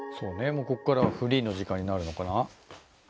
もうここからはフリーの時間になるのかな。